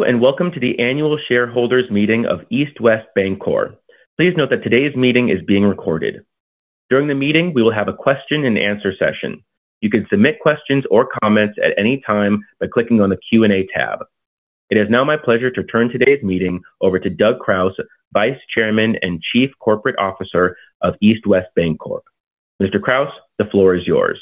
Hello, and welcome to the Annual Shareholders Meeting of East West Bancorp. Please note that today's meeting is being recorded. During the meeting, we will have a question and answer session. You can submit questions or comments at any time by clicking on the Q&A tab. It is now my pleasure to turn today's meeting over to Doug Krause, Vice Chairman and Chief Corporate Officer of East West Bancorp. Mr. Krause, the floor is yours.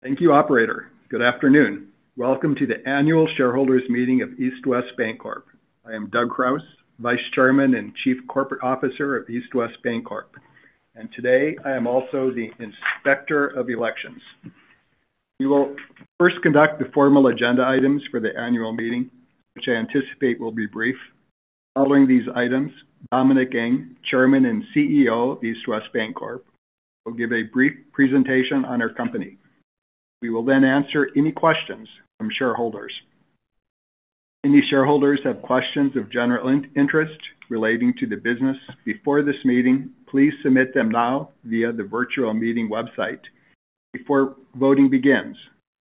Thank you, operator. Good afternoon. Welcome to the Annual Shareholders Meeting of East West Bancorp. I am Doug Krause, Vice Chairman and Chief Corporate Officer of East West Bancorp, and today I am also the Inspector of Elections. We will first conduct the formal agenda items for the annual meeting, which I anticipate will be brief. Following these items, Dominic Ng, Chairman and CEO of East West Bancorp, will give a brief presentation on our company. We will then answer any questions from shareholders. If any shareholders have questions of general interest relating to the business before this meeting, please submit them now via the virtual meeting website before voting begins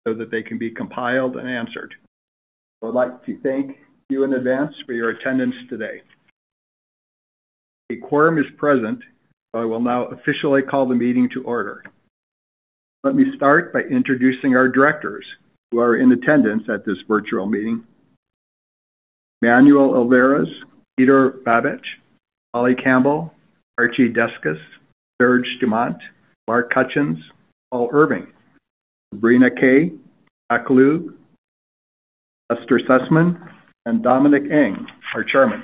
so that they can be compiled and answered. I would like to thank you in advance for your attendance today. A quorum is present, so I will now officially call the meeting to order. Let me start by introducing our directors who are in attendance at this virtual meeting. Manuel Alvarez, Peter Babej, Molly Campbell, Archana Deskus, Serge Dumont, Mark Hutchins, Paul H. Irving, Sabrina Kay, Jack Liu, Lester Sussman, and Dominic Ng, our Chairman.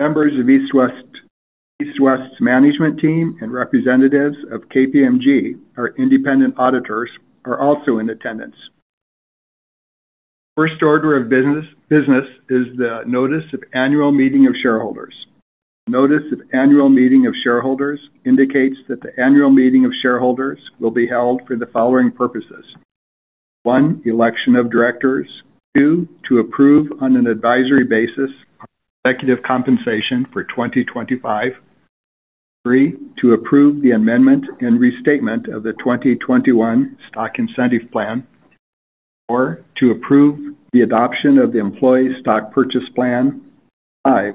Members of East West's management team and representatives of KPMG, our independent auditors, are also in attendance. First order of business is the notice of annual meeting of shareholders. Notice of annual meeting of shareholders indicates that the annual meeting of shareholders will be held for the following purposes. One, election of directors. Two, to approve on an advisory basis executive compensation for 2025. Three, to approve the amendment and restatement of the 2021 Stock Incentive Plan. Four, to approve the adoption of the Employee Stock Purchase Plan. Five,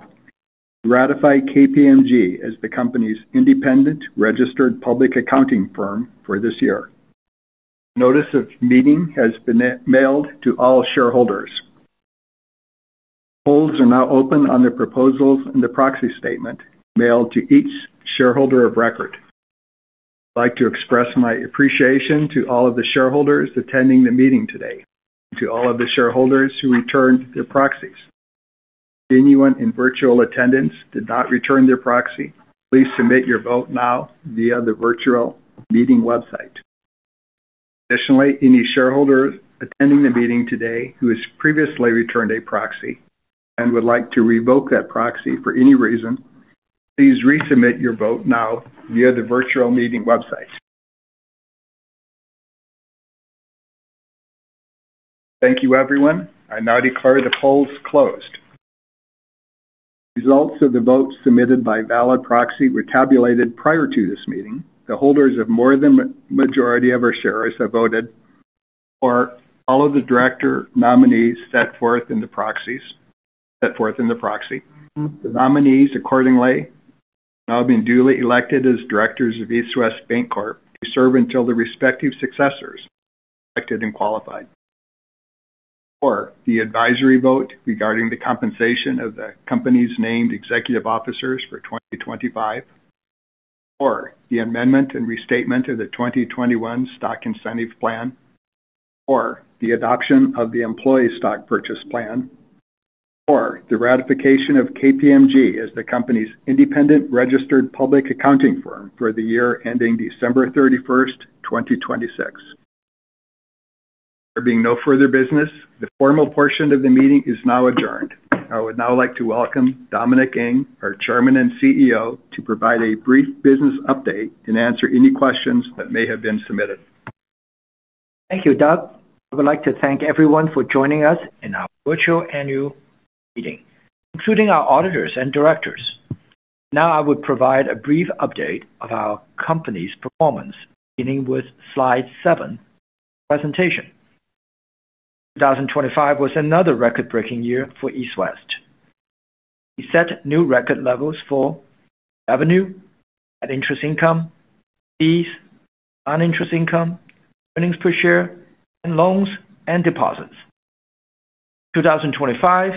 ratify KPMG as the company's independent registered public accounting firm for this year. Notice of meeting has been e-mailed to all shareholders. Polls are now open on the proposals in the proxy statement mailed to each shareholder of record. I'd like to express my appreciation to all of the shareholders attending the meeting today, and to all of the shareholders who returned their proxies. If anyone in virtual attendance did not return their proxy, please submit your vote now via the virtual meeting website. Additionally, any shareholder attending the meeting today who has previously returned a proxy and would like to revoke that proxy for any reason, please resubmit your vote now via the virtual meeting website. Thank you everyone. I now declare the polls closed. Results of the votes submitted by valid proxy were tabulated prior to this meeting. The holders of more than majority of our shares have voted for all of the director nominees set forth in the proxies set forth in the proxy. The nominees accordingly have now been duly elected as directors of East West Bancorp to serve until their respective successors, elected and qualified. Four, the advisory vote regarding the compensation of the company's named executive officers for 2025. Four, the amendment and restatement of the 2021 Stock Incentive Plan. Four, the adoption of the Employee Stock Purchase Plan. Four, the ratification of KPMG as the company's independent registered public accounting firm for the year ending December 31st, 2026. There being no further business, the formal portion of the meeting is now adjourned. I would now like to welcome Dominic Ng, our Chairman and CEO, to provide a brief business update and answer any questions that may have been submitted. Thank you, Doug. I would like to thank everyone for joining us in our virtual annual meeting, including our auditors and directors. Now I will provide a brief update of our company's performance beginning with slide seven presentation. 2025 was another record-breaking year for East West. We set new record levels for revenue and interest income, fees, non-interest income, earnings per share, and loans and deposits. 2025,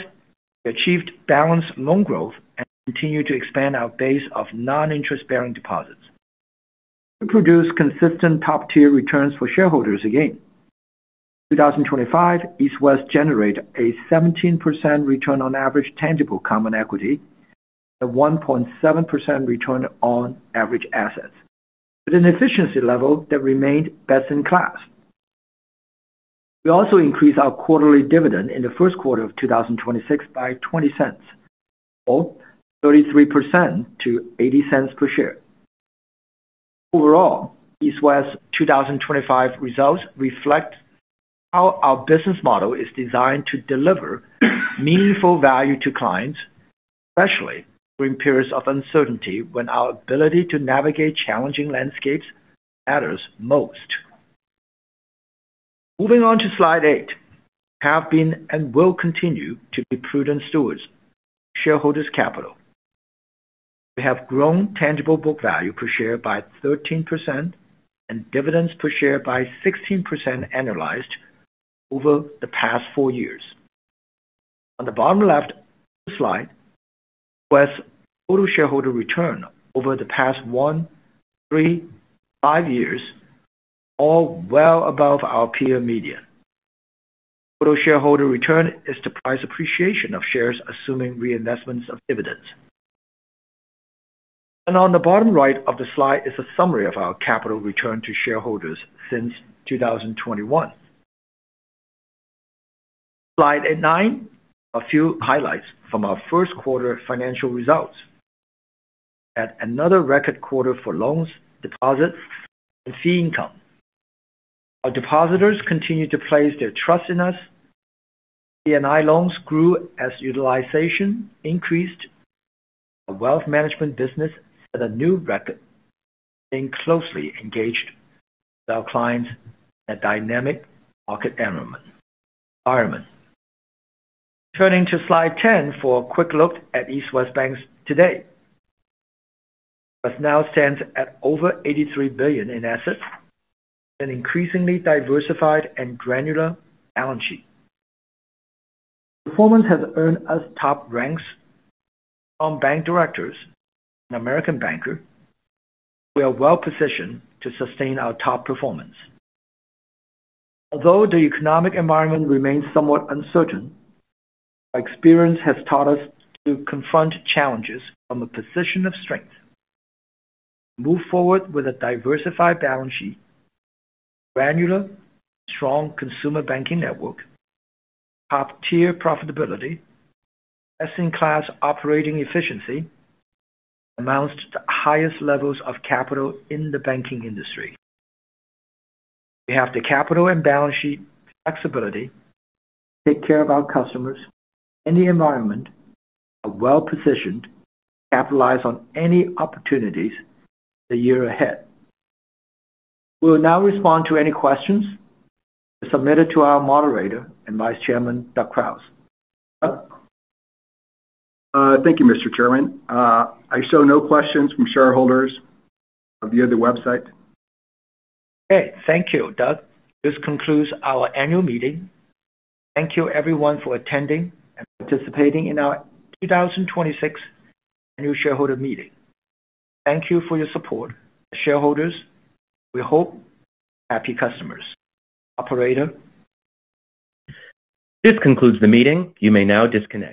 we achieved balanced loan growth and continued to expand our base of non-interest-bearing deposits. We produced consistent top-tier returns for shareholders again. 2025, East West generated a 17% return on average tangible common equity, a 1.7% return on average assets, with an efficiency level that remained best in class. We also increased our quarterly dividend in the first quarter of 2026 by $0.20, or 33% to $0.80 per share. Overall, East West 2025 results reflect how our business model is designed to deliver meaningful value to clients. Especially during periods of uncertainty when our ability to navigate challenging landscapes matters most. Moving on to slide eight. We have been and will continue to be prudent stewards of shareholders' capital. We have grown tangible book value per share by 13% and dividends per share by 16% annualized over the past four years. On the bottom left of the slide was total shareholder return over the past one, three, five years, all well above our peer median. Total shareholder return is the price appreciation of shares, assuming reinvestments of dividends. On the bottom right of the slide is a summary of our capital return to shareholders since 2021. Slide nine, a few highlights from our first quarter financial results. At another record quarter for loans, deposits, and fee income. Our depositors continued to place their trust in us. C&I loans grew as utilization increased. Our wealth management business set a new record, being closely engaged with our clients in a dynamic market environment. Turning to slide 10 for a quick look at East West Bank today. Now stands at over $83 billion in assets and increasingly diversified and granular balance sheet. Performance has earned us top ranks from Bank Director and American Banker. We are well-positioned to sustain our top performance. Although the economic environment remains somewhat uncertain, our experience has taught us to confront challenges from a position of strength, move forward with a diversified balance sheet, granular, strong consumer banking network, top-tier profitability, best-in-class operating efficiency, amongst the highest levels of capital in the banking industry. We have the capital and balance sheet flexibility to take care of our customers in the environment. We are well-positioned to capitalize on any opportunities the year ahead. We'll now respond to any questions submitted to our Moderator and Vice Chairman, Douglas. Doug? Thank you, Mr. Chairman. I show no questions from shareholders via the website. Okay. Thank you, Doug. This concludes our annual meeting. Thank you everyone for attending and participating in our 2026 Annual Shareholder Meeting. Thank you for your support as shareholders. We hope happy customers. Operator. This concludes the meeting. You may now disconnect.